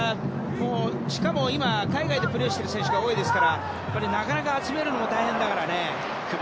しかも今海外でプレーをしている選手が多いですからなかなか集めるのも大変だから。